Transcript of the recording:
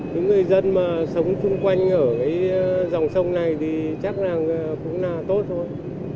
những người dân mà sống chung quanh ở cái dòng sông này thì chắc là cũng là tốt thôi